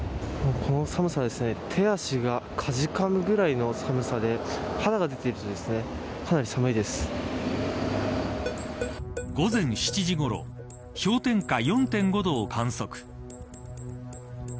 この寒さで手足がかじかむぐらいの寒さで午前７時ごろ氷点下４．５度を観測。